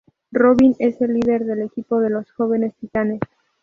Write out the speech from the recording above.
Robin es el líder del equipo de los Jóvenes Titanes.